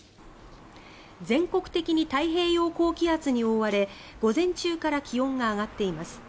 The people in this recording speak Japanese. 全国的に太平洋高気圧に覆われ午前中から気温が上がっています。